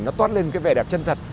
nó toát lên vẻ đẹp chân thật